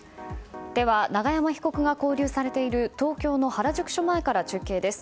では永山被告が勾留されている東京の原宿署前から中継です。